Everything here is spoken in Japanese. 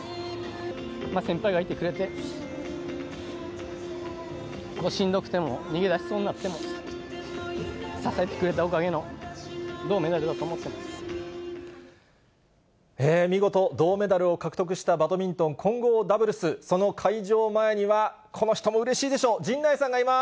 先輩がいてくれて、しんどくても、逃げ出しそうになっても、支えてくれたおかげの銅メダルだ見事、銅メダルを獲得したバドミントン混合ダブルス、その会場前には、この人もうれしいでしょう、陣内さんがいます。